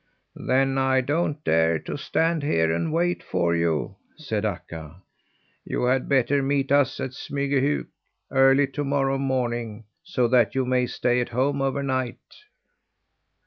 "Then I don't dare to stand here and wait for you," said Akka. "You had better meet us at Smygahök early to morrow morning, so that you may stay at home over night."